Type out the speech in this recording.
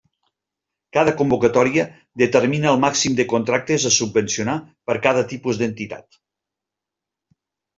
Cada convocatòria determina el màxim de contractes a subvencionar per a cada tipus d'entitat.